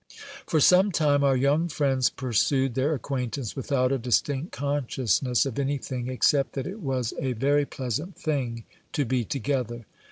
For some time our young friends pursued their acquaintance without a distinct consciousness of any thing except that it was a very pleasant thing to be together.